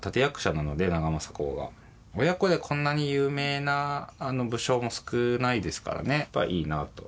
親子でこんなに有名な武将も少ないですからねやっぱりいいなと。